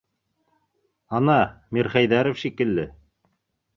Ана, Мирхәйҙәров шикелле.